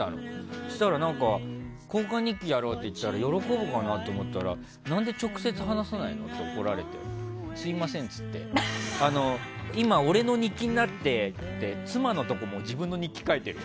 そうしたら交換日記をやろうと言ったら喜ぶかなと思ったら何で直接話さないのって怒られてすいませんって言って今は俺の日記になってて妻のところも自分の日記を書いてるよ。